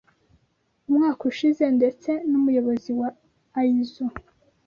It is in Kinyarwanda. umwaka ushize, ndetse n’umuyobozi wa ISO